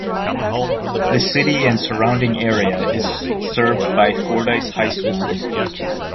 The city and surrounding area is served by Fordyce High School.